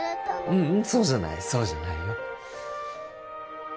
ううんそうじゃないそうじゃないよ